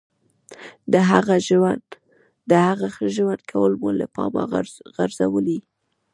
د هغه ښه ژوند کول مو له پامه غورځولي.